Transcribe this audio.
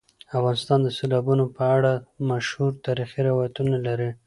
افغانستان د سیلابونو په اړه مشهور تاریخی روایتونه لري.